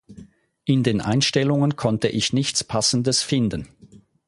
In den Einstellungen konnte ich nichts passendes finden.